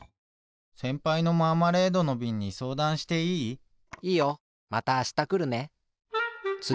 せんぱいのマーマレードのびんにそうだんしていい？いいよ。またあしたくるね。